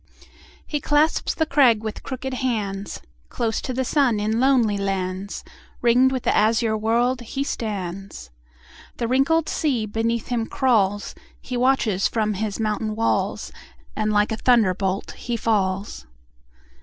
He clasps the crag with hooked hands; Close to the sun in lonely lands, Ring'd with the azure world, he stands. The wrinkled sea beneath him crawls; He watches from his mountain walls, And like a thunderbolt he falls.